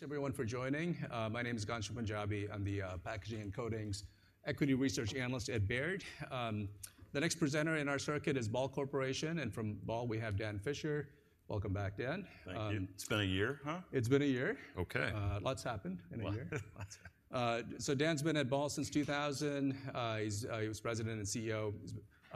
Thanks everyone for joining. My name is Ghansham Panjabi. I'm the Packaging and Coatings Equity Research Analyst at Baird. The next presenter in our circuit is Ball Corporation, and from Ball, we have Dan Fisher. Welcome back, Dan. Thank you. It's been a year, huh? It's been a year. Okay. Lots happened in a year. Lot's- So Dan's been at Ball since 2000. He's he was President and CEO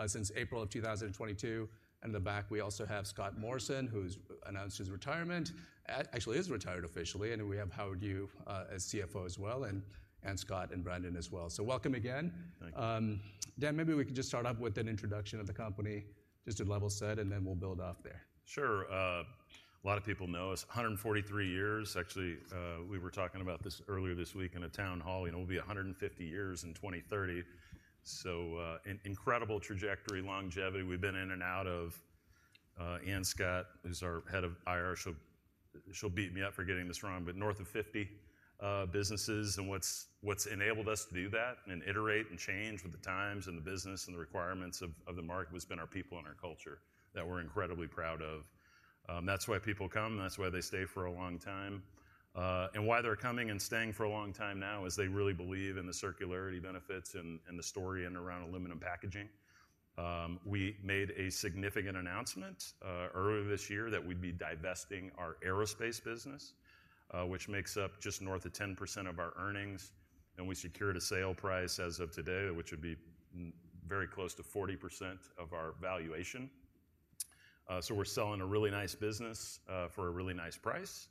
since April of 2022. In the back, we also have Scott Morrison, who's announced his retirement, actually, is retired officially. And we have Howard Yu as CFO as well, and Ann Scott and Brandon as well. So welcome again. Thank you. Dan, maybe we could just start off with an introduction of the company, just to level set, and then we'll build off there. Sure. A lot of people know us, 143 years. Actually, we were talking about this earlier this week in a town hall, you know, we'll be 150 years in 2030. So, an incredible trajectory, longevity. We've been in and out of, Ann Scott, who's our head of IR, she'll, she'll beat me up for getting this wrong, but north of 50 businesses. And what's, what's enabled us to do that and iterate and change with the times and the business and the requirements of, of the market, has been our people and our culture, that we're incredibly proud of. That's why people come, and that's why they stay for a long time. Why they're coming and staying for a long time now is they really believe in the circularity benefits and the story in and around aluminum packaging. We made a significant announcement earlier this year that we'd be divesting our aerospace business, which makes up just north of 10% of our earnings, and we secured a sale price as of today, which would be very close to 40% of our valuation. So we're selling a really nice business for a really nice price.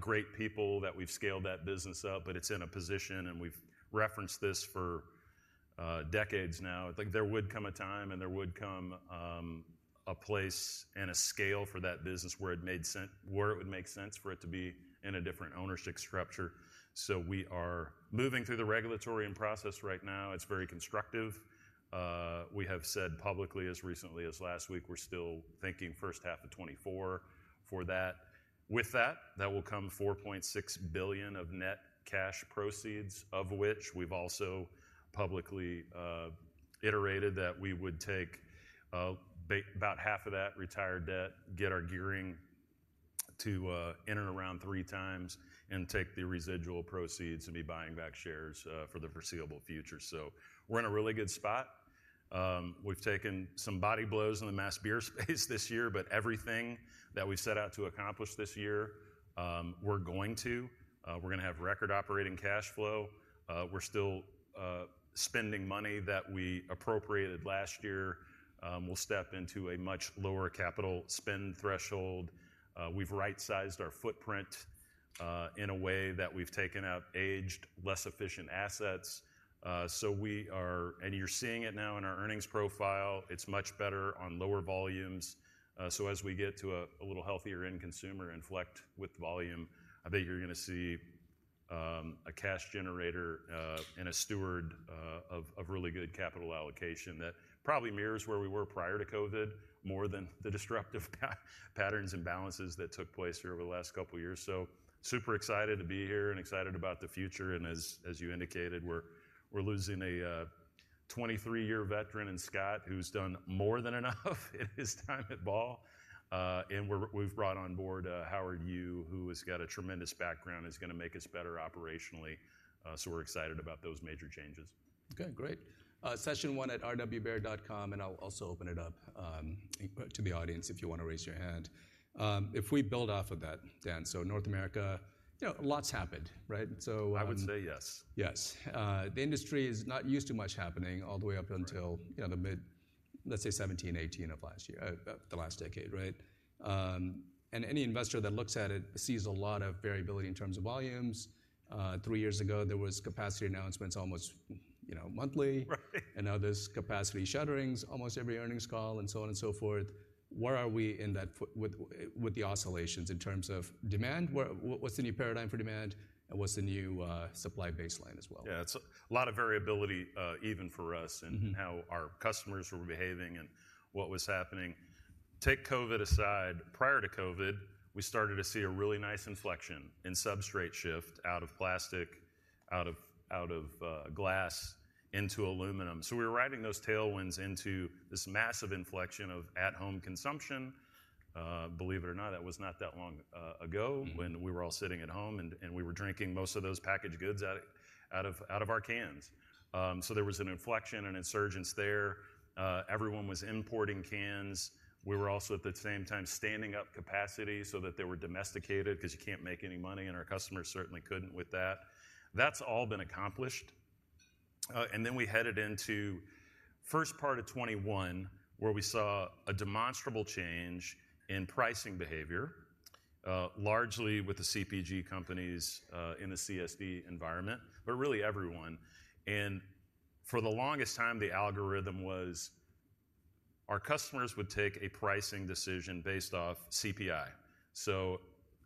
Great people that we've scaled that business up, but it's in a position, and we've referenced this for decades now. Like, there would come a time, and there would come a place and a scale for that business where it would make sense for it to be in a different ownership structure. So we are moving through the regulatory and process right now. It's very constructive. We have said publicly, as recently as last week, we're still thinking first half of 2024 for that. With that, that will come $4.6 billion of net cash proceeds, of which we've also publicly iterated that we would take about half of that retired debt, get our gearing to in and around 3x, and take the residual proceeds and be buying back shares for the foreseeable future. So we're in a really good spot. We've taken some body blows in the mass beer space this year, but everything that we set out to accomplish this year, we're going to. We're gonna have record operating cash flow. We're still spending money that we appropriated last year. We'll step into a much lower capital spend threshold. We've right-sized our footprint in a way that we've taken out aged, less efficient assets. So we are... And you're seeing it now in our earnings profile, it's much better on lower volumes. So as we get to a little healthier end consumer inflection with volume, I think you're gonna see a cash generator and a steward of really good capital allocation that probably mirrors where we were prior to COVID, more than the disruptive patterns and balances that took place here over the last couple years. So super excited to be here and excited about the future, and as you indicated, we're losing a 23-year veteran in Scott, who's done more than enough in his time at Ball. And we've brought on board Howard Yu, who has got a tremendous background, is gonna make us better operationally. So we're excited about those major changes. Okay, great. session1@rwbaird.com, and I'll also open it up to the audience, if you want to raise your hand. If we build off of that, Dan, so North America, you know, lots happened, right? So- I would say yes. Yes. The industry is not used to much happening all the way up until- Right... you know, the mid, let's say, 17, 18 of last year, the last decade, right? Any investor that looks at it sees a lot of variability in terms of volumes. 3 years ago, there was capacity announcements almost, you know, monthly. Right. Now there's capacity shutterings, almost every earnings call, and so on and so forth. Where are we in that with the oscillations in terms of demand? What's the new paradigm for demand, and what's the new supply baseline as well? Yeah, it's a lot of variability, even for us... Mm-hmm... and how our customers were behaving and what was happening. Take COVID aside, prior to COVID, we started to see a really nice inflection and substrate shift out of plastic, out of glass into aluminum. So we were riding those tailwinds into this massive inflection of at-home consumption. Believe it or not, that was not that long ago. Mm-hmm... when we were all sitting at home, and we were drinking most of those packaged goods out of our cans. So there was an inflection and insurgence there. Everyone was importing cans. We were also, at the same time, standing up capacity so that they were domesticated, because you can't make any money, and our customers certainly couldn't with that. That's all been accomplished. And then we headed into first part of 2021, where we saw a demonstrable change in pricing behavior, largely with the CPG companies, in the CSD environment, but really everyone. And for the longest time, the algorithm was, our customers would take a pricing decision based off CPI. So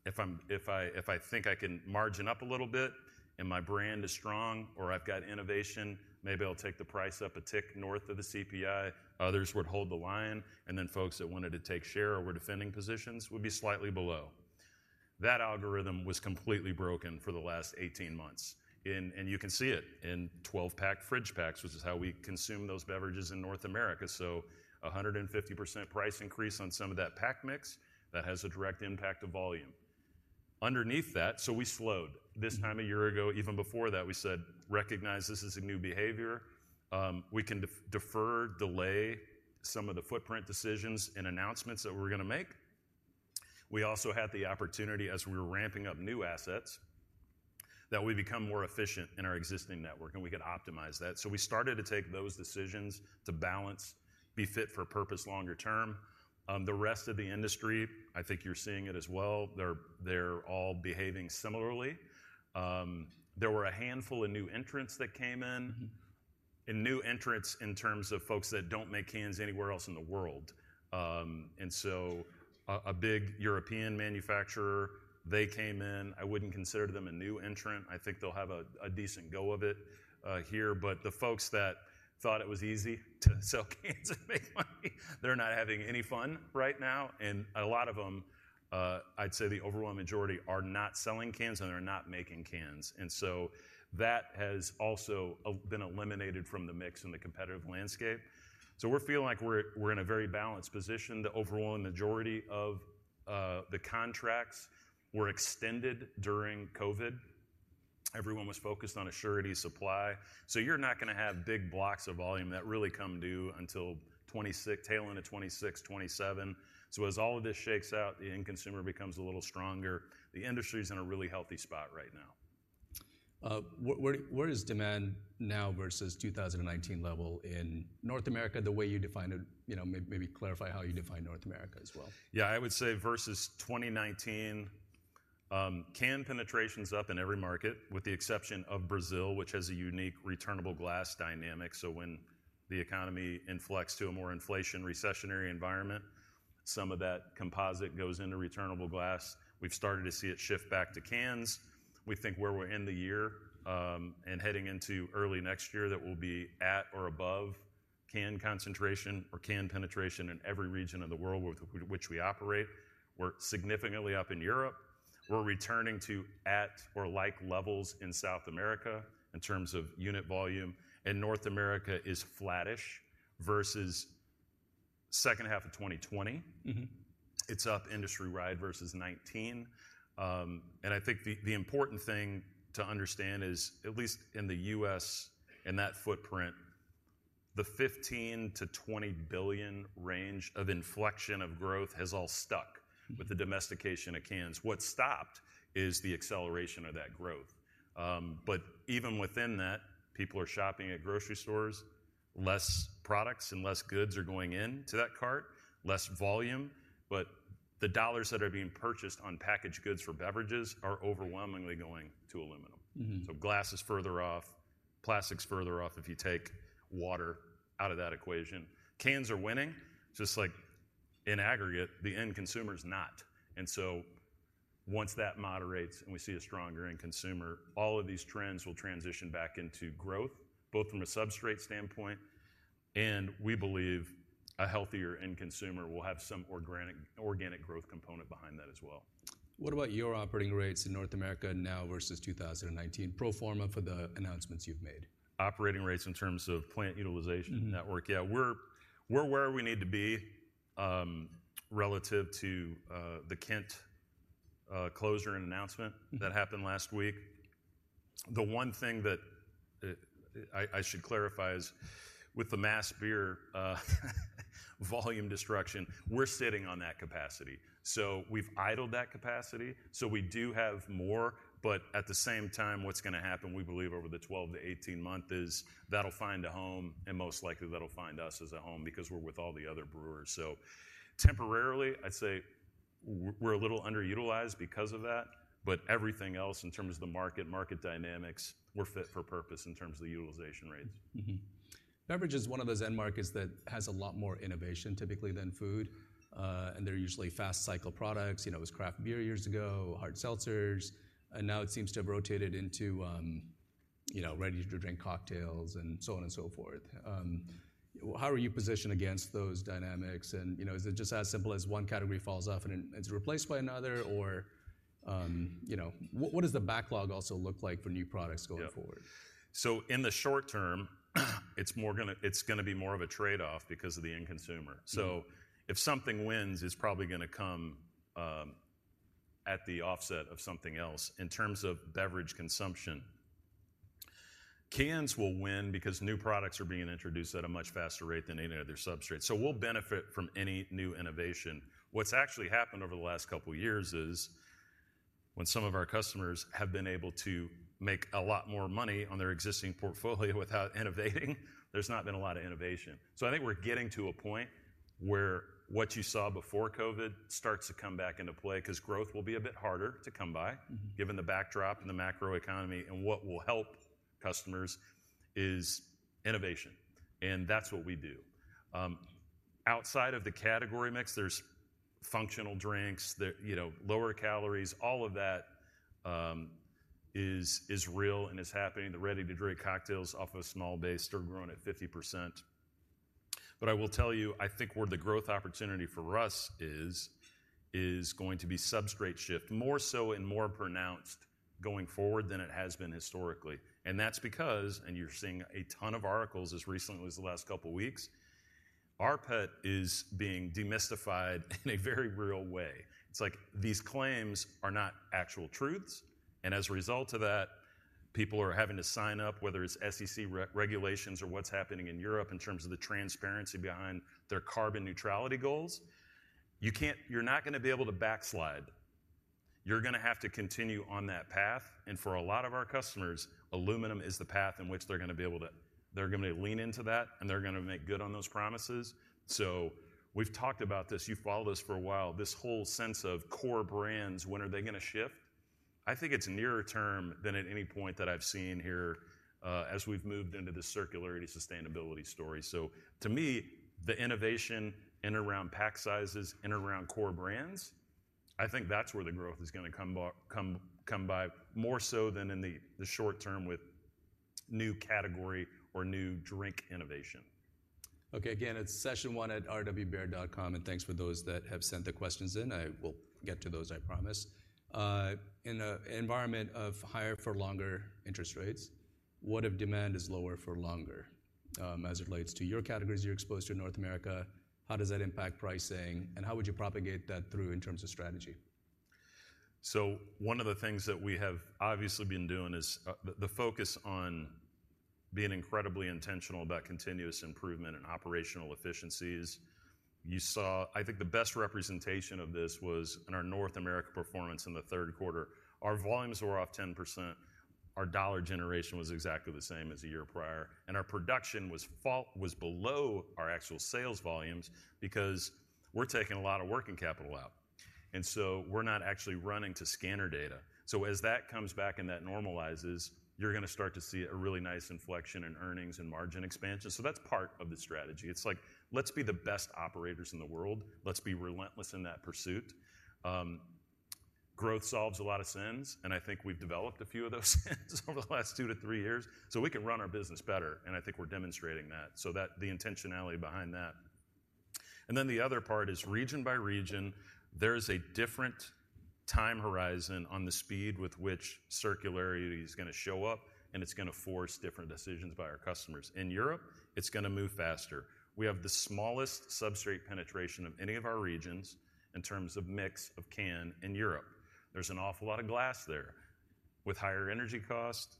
if I think I can margin up a little bit and my brand is strong or I've got innovation, maybe I'll take the price up a tick north of the CPI. Others would hold the line, and then folks that wanted to take share or were defending positions would be slightly below. That algorithm was completely broken for the last 18 months. And you can see it in 12-pack fridge packs, which is how we consume those beverages in North America. So 150% price increase on some of that pack mix has a direct impact to volume. Underneath that, so we slowed. This time a year ago, even before that, we said, "Recognize this is a new behavior. We can defer, delay some of the footprint decisions and announcements that we're gonna make." We also had the opportunity, as we were ramping up new assets, that we become more efficient in our existing network, and we could optimize that. So we started to take those decisions to balance, be fit for purpose longer term. The rest of the industry, I think you're seeing it as well, they're all behaving similarly. There were a handful of new entrants that came in- Mm-hmm. and new entrants in terms of folks that don't make cans anywhere else in the world. And so a big European manufacturer, they came in. I wouldn't consider them a new entrant. I think they'll have a decent go of it here. But the folks that thought it was easy to sell cans and make money, they're not having any fun right now. And a lot of them, I'd say the overwhelming majority, are not selling cans and are not making cans. And so that has also been eliminated from the mix in the competitive landscape. So we're feeling like we're in a very balanced position. The overwhelming majority of the contracts were extended during COVID. Everyone was focused on assured supply. So you're not gonna have big blocks of volume that really come due until 2026, tail end of 2026, 2027. So as all of this shakes out, the end consumer becomes a little stronger. The industry's in a really healthy spot right now. Where is demand now versus 2019 level in North America, the way you define it? You know, maybe clarify how you define North America as well. Yeah. I would say versus 2019, can penetration's up in every market, with the exception of Brazil, which has a unique returnable glass dynamic. So when the economy inflects to a more inflation, recessionary environment, some of that composite goes into returnable glass. We've started to see it shift back to cans. We think where we'll end the year, and heading into early next year, that we'll be at or above can concentration or can penetration in every region of the world with which we operate. We're significantly up in Europe. We're returning to at or like levels in South America, in terms of unit volume, and North America is flattish versus second half of 2020. Mm-hmm. It's up industry-wide versus 2019. I think the important thing to understand is, at least in the U.S., in that footprint, the 15-20 billion range of inflection of growth has all stuck- Mm... with the domestication of cans. What's stopped is the acceleration of that growth. But even within that, people are shopping at grocery stores. Less products and less goods are going into that cart, less volume, but the dollars that are being purchased on packaged goods for beverages are overwhelmingly going to aluminum. Mm-hmm. So glass is further off, plastic's further off, if you take water out of that equation. Cans are winning, just like in aggregate, the end consumer's not. And so once that moderates and we see a stronger end consumer, all of these trends will transition back into growth, both from a substrate standpoint, and we believe a healthier end consumer will have some organic, organic growth component behind that as well. What about your operating rates in North America now versus 2019, pro forma for the announcements you've made? Operating rates in terms of plant utilization- Mm-hmm... network? Yeah, we're where we need to be, relative to the Kent closure and announcement- Mm That happened last week. The one thing that I should clarify is, with the mass beer volume destruction, we're sitting on that capacity. So we've idled that capacity, so we do have more, but at the same time, what's gonna happen, we believe, over the 12-18 month is, that'll find a home, and most likely, that'll find us as a home, because we're with all the other brewers. So temporarily, I'd say we're a little underutilized because of that, but everything else, in terms of the market, market dynamics, we're fit for purpose in terms of the utilization rates. Mm-hmm. Beverage is one of those end markets that has a lot more innovation, typically, than food. And they're usually fast cycle products. You know, it was craft beer years ago, hard seltzers, and now it seems to have rotated into, you know, ready-to-drink cocktails and so on and so forth. How are you positioned against those dynamics, and, you know, is it just as simple as one category falls off and it's replaced by another? Or, you know... What does the backlog also look like for new products going forward? Yeah. So in the short term, it's gonna be more of a trade-off because of the end consumer. Mm. So if something wins, it's probably gonna come at the offset of something else. In terms of beverage consumption, cans will win because new products are being introduced at a much faster rate than any other substrate. So we'll benefit from any new innovation. What's actually happened over the last couple years is, when some of our customers have been able to make a lot more money on their existing portfolio without innovating, there's not been a lot of innovation. So I think we're getting to a point where what you saw before COVID starts to come back into play, 'cause growth will be a bit harder to come by- Mm-hmm ...given the backdrop and the macroeconomy. What will help customers is innovation, and that's what we do. Outside of the category mix, there's functional drinks that, you know, lower calories, all of that, is real and is happening. The ready-to-drink cocktails off a small base are growing at 50%. But I will tell you, I think where the growth opportunity for us is going to be substrate shift, more so and more pronounced going forward than it has been historically. That's because, and you're seeing a ton of articles as recently as the last couple weeks, rPET is being demystified in a very real way. It's like these claims are not actual truths, and as a result of that, people are having to sign up, whether it's SEC regulations or what's happening in Europe in terms of the transparency behind their carbon neutrality goals. You can't-- You're not gonna be able to backslide. You're gonna have to continue on that path, and for a lot of our customers, aluminum is the path in which they're gonna be able to-- They're gonna lean into that, and they're gonna make good on those promises. So we've talked about this. You've followed us for a while, this whole sense of core brands, when are they gonna shift? I think it's nearer term than at any point that I've seen here, as we've moved into this circularity sustainability story. To me, the innovation in and around pack sizes and around core brands, I think that's where the growth is gonna come by more so than in the short term with new category or new drink innovation. Okay, again, it's session1@rwbaird.com, and thanks for those that have sent the questions in. I will get to those, I promise. In an environment of higher for longer interest rates, what if demand is lower for longer? As it relates to your categories you're exposed to in North America, how does that impact pricing, and how would you propagate that through in terms of strategy? So one of the things that we have obviously been doing is the focus on being incredibly intentional about continuous improvement and operational efficiencies. You saw. I think the best representation of this was in our North America performance in the third quarter. Our volumes were off 10%, our dollar generation was exactly the same as the year prior, and our production was below our actual sales volumes because we're taking a lot of working capital out, and so we're not actually running to scanner data. So as that comes back and that normalizes, you're gonna start to see a really nice inflection in earnings and margin expansion. So that's part of the strategy. It's like, let's be the best operators in the world. Let's be relentless in that pursuit. Growth solves a lot of sins, and I think we've developed a few of those sins over the last 2-3 years, so we can run our business better, and I think we're demonstrating that, so that, the intentionality behind that. And then the other part is region by region, there is a different time horizon on the speed with which circularity is gonna show up, and it's gonna force different decisions by our customers. In Europe, it's gonna move faster. We have the smallest substrate penetration of any of our regions in terms of mix of can in Europe. There's an awful lot of glass there. With higher energy costs,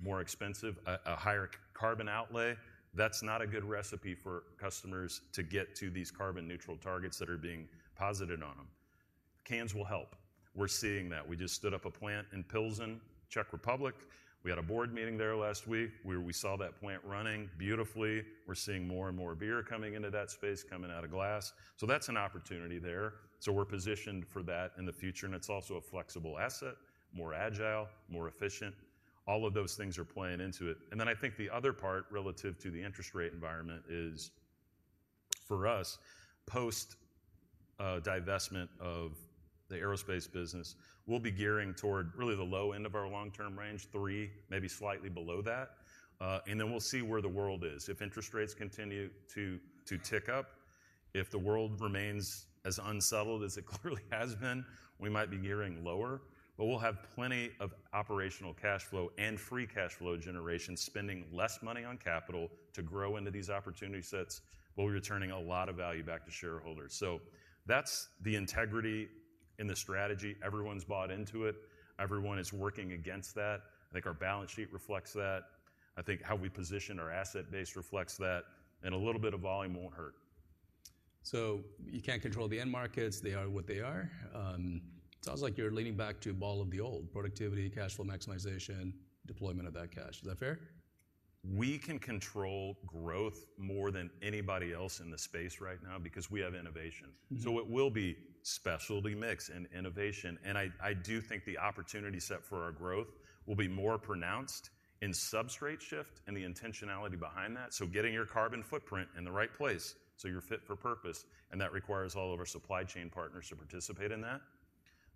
more expensive, a higher carbon outlay, that's not a good recipe for customers to get to these carbon neutral targets that are being posited on them. Cans will help. We're seeing that. We just stood up a plant in Pilsen, Czech Republic. We had a board meeting there last week, where we saw that plant running beautifully. We're seeing more and more beer coming into that space, coming out of glass. So that's an opportunity there, so we're positioned for that in the future, and it's also a flexible asset, more agile, more efficient. All of those things are playing into it. And then I think the other part, relative to the interest rate environment, is for us, post, divestment of the aerospace business, we'll be gearing toward really the low end of our long-term range, 3, maybe slightly below that, and then we'll see where the world is. If interest rates continue to tick up, if the world remains as unsettled as it clearly has been, we might be gearing lower. But we'll have plenty of operational cash flow and free cash flow generation, spending less money on capital to grow into these opportunity sets, but we're returning a lot of value back to shareholders. So that's the integrity in the strategy. Everyone's bought into it. Everyone is working against that. I think our balance sheet reflects that. I think how we position our asset base reflects that, and a little bit of volume won't hurt. So you can't control the end markets, they are what they are. Sounds like you're leaning back to Ball of the old: productivity, cash flow maximization, deployment of that cash. Is that fair? We can control growth more than anybody else in the space right now because we have innovation. Mm-hmm. So it will be specialty mix and innovation, and I do think the opportunity set for our growth will be more pronounced in substrate shift and the intentionality behind that. So getting your carbon footprint in the right place, so you're fit for purpose, and that requires all of our supply chain partners to participate in that.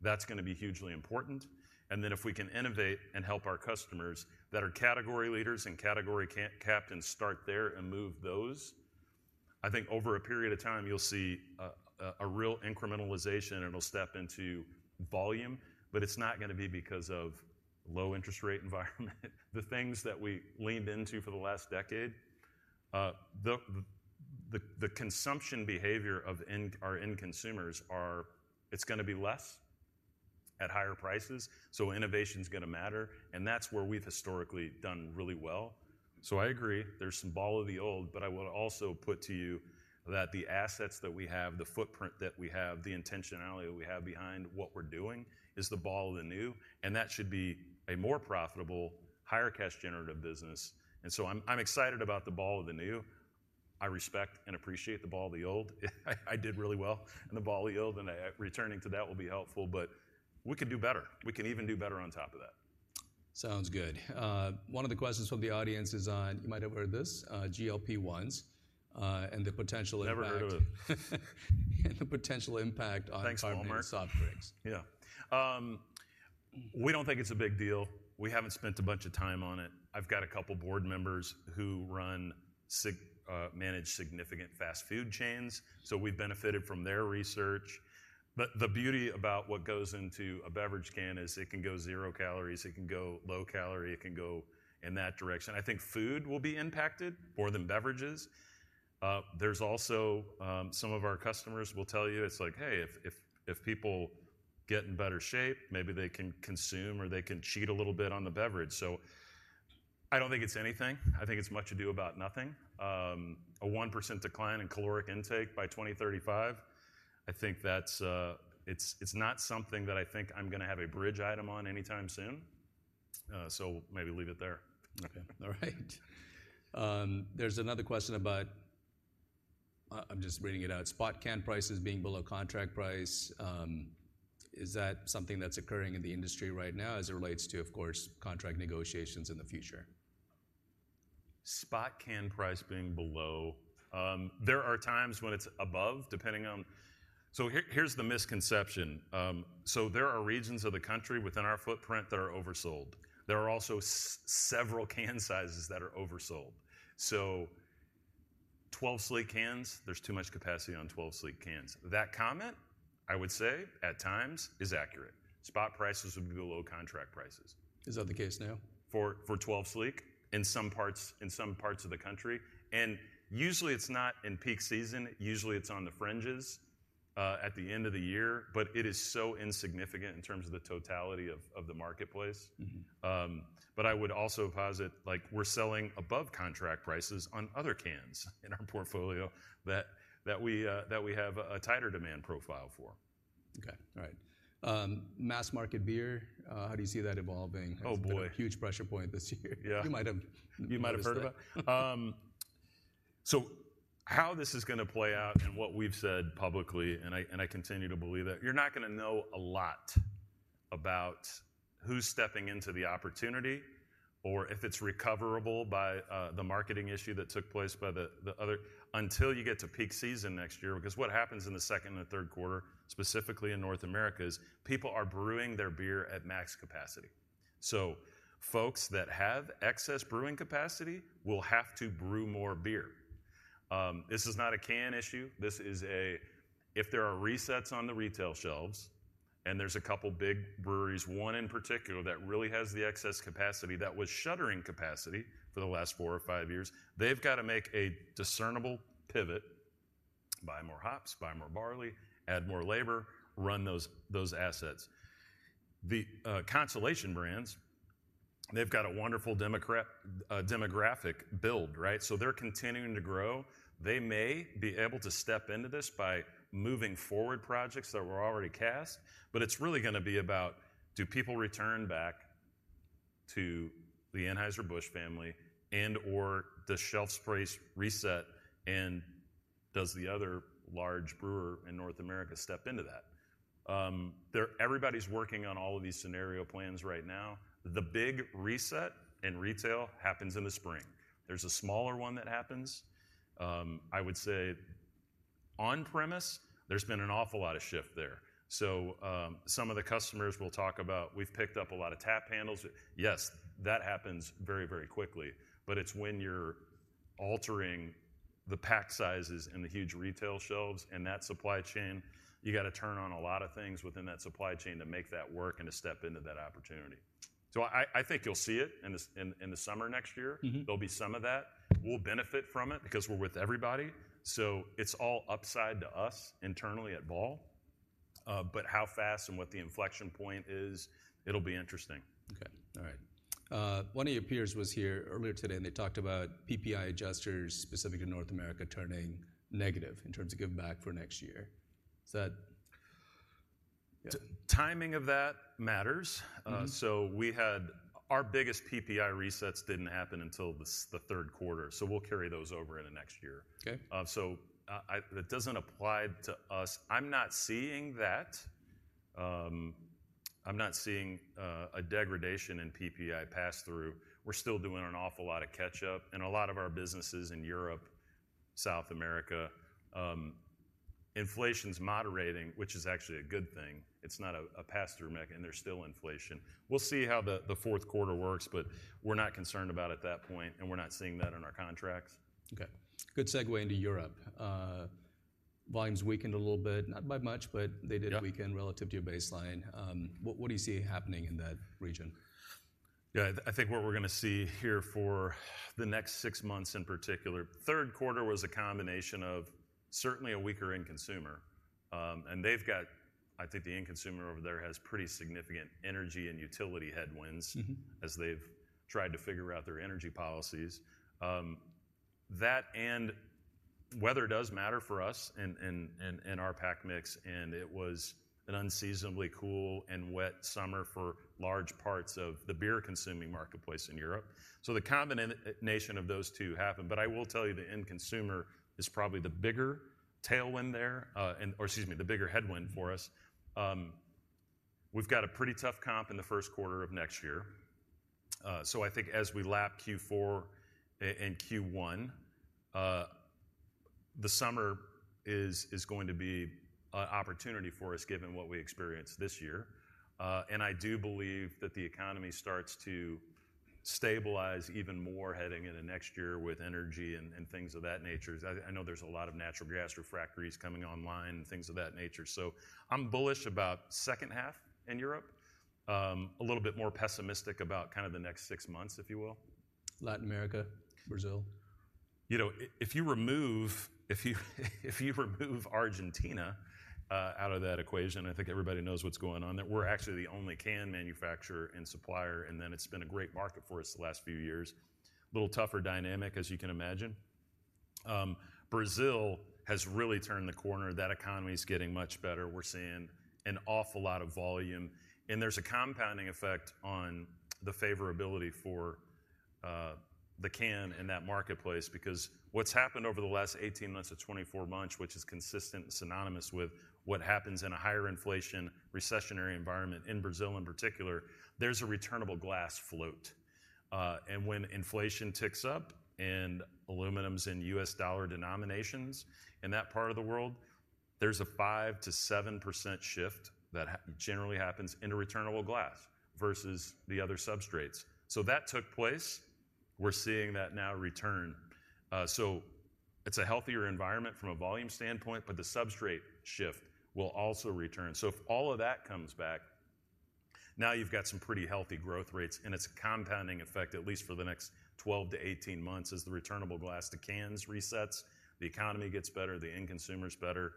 That's gonna be hugely important, and then if we can innovate and help our customers that are category leaders and category captains start there and move those, I think over a period of time, you'll see a real incrementalization, and it'll step into volume, but it's not gonna be because of low interest rate environment. The things that we leaned into for the last decade, the consumption behavior of our end consumers are... It's gonna be less at higher prices, so innovation's gonna matter, and that's where we've historically done really well. So I agree, there's some Ball of the old, but I would also put to you that the assets that we have, the footprint that we have, the intentionality that we have behind what we're doing, is the Ball of the new, and that should be a more profitable, higher cash generative business, and so I'm excited about the Ball of the new. I respect and appreciate the Ball of the old. I did really well in the Ball of the old, and returning to that will be helpful, but we can do better. We can even do better on top of that. Sounds good. One of the questions from the audience is on, you might have heard of this, GLP-1s, and the potential impact- Never heard of it. And the potential impact on- Thanks, Walmart... soft drinks. Yeah. We don't think it's a big deal. We haven't spent a bunch of time on it. I've got a couple board members who manage significant fast food chains, so we've benefited from their research. But the beauty about what goes into a beverage can is it can go zero calories, it can go low calorie, it can go in that direction. I think food will be impacted more than beverages. There's also some of our customers will tell you, it's like: Hey, if people get in better shape. Maybe they can consume, or they can cheat a little bit on the beverage. So I don't think it's anything. I think it's much ado about nothing. A 1% decline in caloric intake by 2035, I think that's... It's not something that I think I'm gonna have a bridge item on anytime soon, so maybe leave it there. Okay. All right. There's another question about, I'm just reading it out: "Spot can prices being below contract price, is that something that's occurring in the industry right now as it relates to, of course, contract negotiations in the future? Spot can price being below. There are times when it's above, depending on. So here, here's the misconception. So there are regions of the country within our footprint that are oversold. There are also several can sizes that are oversold. So 12 Sleek cans, there's too much capacity on twelve Sleek cans. That comment, I would say, at times, is accurate. Spot prices would be below contract prices. Is that the case now? For 12 weeks in some parts of the country, and usually it's not in peak season, usually it's on the fringes at the end of the year, but it is so insignificant in terms of the totality of the marketplace. Mm-hmm. But I would also posit, like, we're selling above contract prices on other cans in our portfolio that we have a tighter demand profile for. Okay. All right. Mass-market beer, how do you see that evolving? Oh, boy! It's been a huge pressure point this year. Yeah. You might have- You might have heard of it. So how this is gonna play out, and what we've said publicly, I continue to believe it, you're not gonna know a lot about who's stepping into the opportunity or if it's recoverable by the marketing issue that took place by the other until you get to peak season next year. Because what happens in the second and the third quarter, specifically in North America, is people are brewing their beer at max capacity. So folks that have excess brewing capacity will have to brew more beer. This is not a can issue, this is if there are resets on the retail shelves, and there's a couple big breweries, one in particular, that really has the excess capacity, that was shuttering capacity for the last 4 or 5 years, they've got to make a discernible pivot: buy more hops, buy more barley, add more labor, run those assets. The Constellation Brands, they've got a wonderful demographic build, right? So they're continuing to grow. They may be able to step into this by moving forward projects that were already cast, but it's really gonna be about, do people return back to the Anheuser-Busch family, and/or does shelf space reset, and does the other large brewer in North America step into that? Everybody's working on all of these scenario plans right now. The big reset in retail happens in the spring. There's a smaller one that happens. I would say on premise, there's been an awful lot of shift there. So, some of the customers will talk about, "We've picked up a lot of tap handles." Yes, that happens very, very quickly, but it's when you're altering the pack sizes and the huge retail shelves and that supply chain, you've got to turn on a lot of things within that supply chain to make that work and to step into that opportunity. So I think you'll see it in the summer next year. Mm-hmm. There'll be some of that. We'll benefit from it, because we're with everybody, so it's all upside to us, internally at Ball. But how fast and what the inflection point is, it'll be interesting. Okay. All right. One of your peers was here earlier today, and they talked about PPI adjusters, specific to North America, turning negative in terms of giving back for next year. Does that- Timing of that matters. Mm-hmm. So, our biggest PPI resets didn't happen until the third quarter, so we'll carry those over into next year. Okay. That doesn't apply to us. I'm not seeing that. I'm not seeing a degradation in PPI pass-through. We're still doing an awful lot of catch-up in a lot of our businesses in Europe, South America. Inflation's moderating, which is actually a good thing. It's not a pass-through mech, and there's still inflation. We'll see how the fourth quarter works, but we're not concerned about it at that point, and we're not seeing that in our contracts. Okay. Good segue into Europe. Volumes weakened a little bit, not by much, but they did- Yeah... weaken relative to your baseline. What do you see happening in that region? Yeah, I think what we're gonna see here for the next 6 months in particular, third quarter was a combination of certainly a weaker end consumer. And they've got... I think the end consumer over there has pretty significant energy and utility headwinds- Mm-hmm... as they've tried to figure out their energy policies. That and weather does matter for us, and our pack mix, and it was an unseasonably cool and wet summer for large parts of the beer-consuming marketplace in Europe. So the combination of those 2 happened, but I will tell you, the end consumer is probably the bigger tailwind there, and or excuse me, the bigger headwind for us. We've got a pretty tough comp in the first quarter of next year. So I think as we lap Q4 and Q1, the summer is going to be an opportunity for us, given what we experienced this year. And I do believe that the economy starts to stabilize even more heading into next year with energy and things of that nature. I know there's a lot of natural gas refineries coming online, and things of that nature. So I'm bullish about second half in Europe, a little bit more pessimistic about kind of the next 6 months, if you will. Latin America, Brazil?... you know, if you remove Argentina out of that equation, I think everybody knows what's going on there. We're actually the only can manufacturer and supplier, and then it's been a great market for us the last few years. A little tougher dynamic, as you can imagine. Brazil has really turned the corner. That economy is getting much better. We're seeing an awful lot of volume, and there's a compounding effect on the favorability for the can in that marketplace, because what's happened over the last 18-24 months, which is consistent and synonymous with what happens in a higher inflation, recessionary environment, in Brazil in particular, there's a returnable glass float. And when inflation ticks up and aluminum's in U.S. dollar denominations in that part of the world, there's a 5%-7% shift that generally happens into returnable glass versus the other substrates. So that took place. We're seeing that now return. So it's a healthier environment from a volume standpoint, but the substrate shift will also return. So if all of that comes back, now you've got some pretty healthy growth rates, and it's a compounding effect, at least for the next 12-18 months, as the returnable glass to cans resets, the economy gets better, the end consumer's better.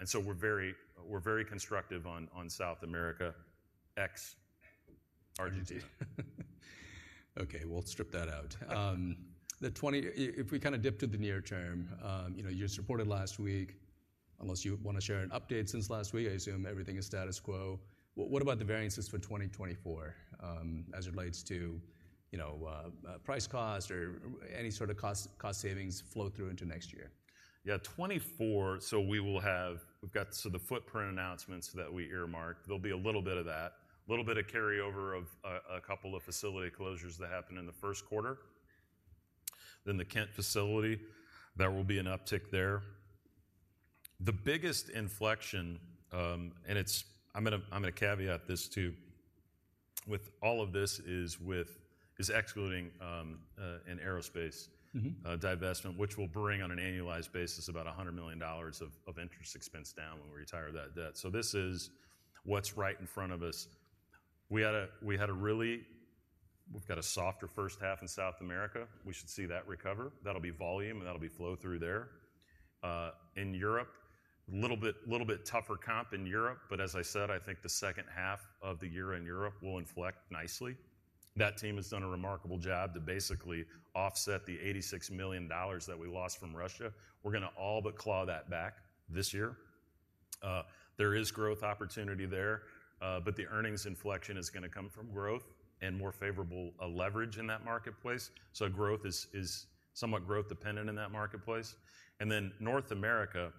And so we're very, we're very constructive on, on South America, ex-Argentina. Argentina. Okay, we'll strip that out. If we kind of dip to the near term, you know, you just reported last week, unless you want to share an update since last week, I assume everything is status quo. What about the variances for 2024, as it relates to, you know, price cost or any sort of cost savings flow through into next year? Yeah, 2024, so we will have—we've got, so the footprint announcements that we earmarked, there'll be a little bit of that, a little bit of carryover of a couple of facility closures that happened in the first quarter. Then the Kent facility, there will be an uptick there. The biggest inflection, and it's—I'm gonna caveat this, too, with all of this is excluding an aerospace- Mm-hmm. Divestment, which will bring, on an annualized basis, about $100 million of interest expense down when we retire that debt. So this is what's right in front of us. We've got a softer first half in South America. We should see that recover. That'll be volume, and that'll be flow-through there. In Europe, a little bit tougher comp in Europe, but as I said, I think the second half of the year in Europe will inflect nicely. That team has done a remarkable job to basically offset the $86 million that we lost from Russia. We're gonna all but claw that back this year. There is growth opportunity there, but the earnings inflection is gonna come from growth and more favorable leverage in that marketplace. So growth is somewhat growth dependent in that marketplace. And then North America,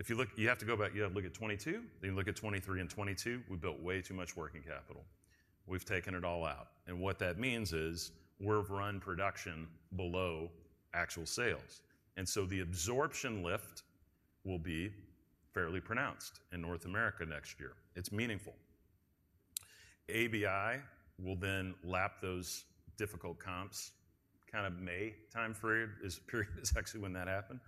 if you look, you have to go back, you have to look at 2022, then you look at 2023 and 2022, we built way too much working capital. We've taken it all out, and what that means is we've run production below actual sales, and so the absorption lift will be fairly pronounced in North America next year. It's meaningful. ABI will then lap those difficult comps, kind of May time frame, period, is actually when that happened.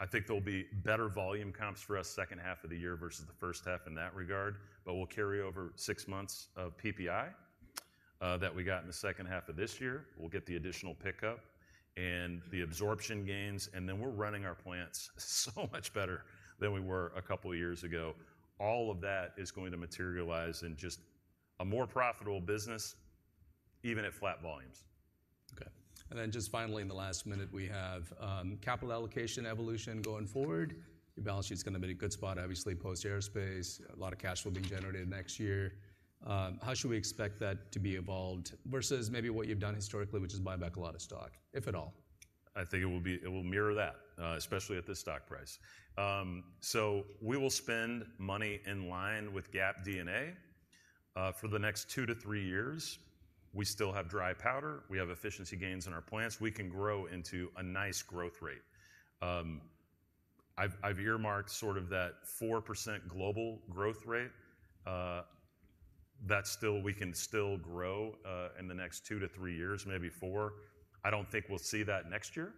I think there'll be better volume comps for us second half of the year versus the first half in that regard, but we'll carry over 6 months of PPI that we got in the second half of this year. We'll get the additional pickup and the absorption gains, and then we're running our plants so much better than we were a couple of years ago. All of that is going to materialize in just a more profitable business, even at flat volumes. Okay. And then just finally, in the last minute, we have capital allocation evolution going forward. Your balance sheet's gonna be in a good spot, obviously, post-aerospace. A lot of cash will be generated next year. How should we expect that to be evolved versus maybe what you've done historically, which is buy back a lot of stock, if at all? I think it will be—it will mirror that, especially at this stock price. So we will spend money in line with GAAP D&A for the next 2-3 years. We still have dry powder. We have efficiency gains in our plants. We can grow into a nice growth rate. I've earmarked sort of that 4% global growth rate, that's still—we can still grow in the next 2-3 years, maybe 4. I don't think we'll see that next year,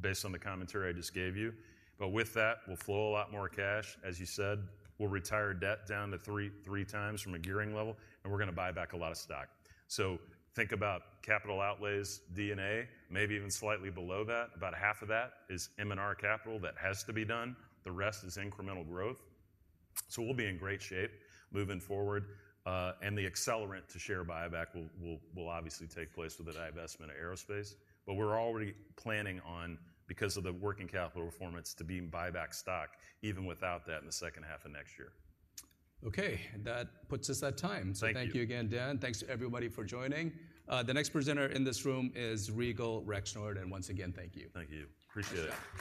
based on the commentary I just gave you. But with that, we'll flow a lot more cash, as you said, we'll retire debt down to 3.3 times from a gearing level, and we're gonna buy back a lot of stock. So think about capital outlays, D&A, maybe even slightly below that. About half of that is M&R capital, that has to be done. The rest is incremental growth. So we'll be in great shape moving forward, and the accelerant to share buyback will obviously take place with the divestment of aerospace. But we're already planning on, because of the working capital performance, to be buy back stock even without that in the second half of next year. Okay, that puts us at time. Thank you. Thank you again, Dan. Thanks to everybody for joining. The next presenter in this room is Regal Rexnord, and once again, thank you. Thank you. Appreciate it.